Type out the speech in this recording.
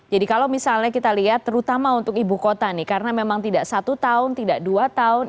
jadi kalau misalnya kita lihat terutama untuk ibu kota nih karena memang tidak satu tahun tidak dua tahun